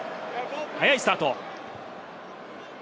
早いスタート。